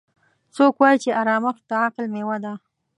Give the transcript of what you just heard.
څوک وایي چې ارامښت د عقل میوه ده